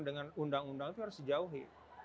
dengan undang undang itu harus dijauhi